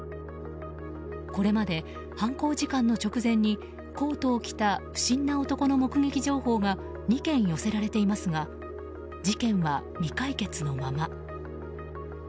これまで犯行時間の直前にコートを着た不審な男の目撃情報が２件寄せられていますが事件は未解決のまま。